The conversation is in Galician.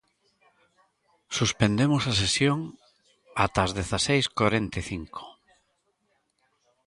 Suspendemos a sesión ata as dezaseis corenta e cinco.